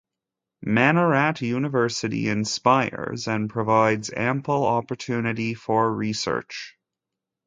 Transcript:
Manarat University inspires and provides ample opportunity for research.